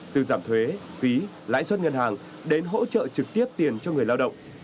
từ giảm thuế phí lãi suất ngân hàng đến hỗ trợ trực tiếp tiền cho người lao động